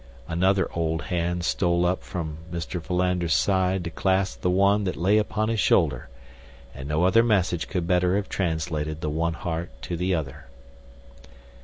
Another old hand stole up from Mr. Philander's side to clasp the one that lay upon his shoulder, and no other message could better have translated the one heart to the other.